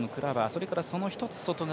それからその一つ外側